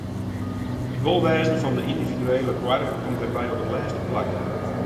It wolwêzen fan de yndividuele boarger komt dêrby op it lêste plak.